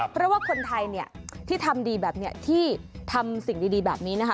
เพราะว่าคนไทยเนี่ยที่ทำดีแบบนี้ที่ทำสิ่งดีแบบนี้นะคะ